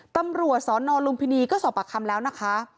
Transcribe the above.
ตำรวจสนลุมพินีก็สอบปากคำแล้วนะคะ